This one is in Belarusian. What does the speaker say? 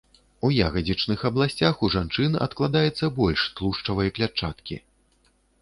У ягадзічных абласцях ў жанчын адкладаецца больш тлушчавай клятчаткі.